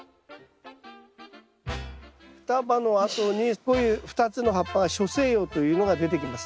双葉のあとにこういう２つの葉っぱが初生葉というのが出てきます。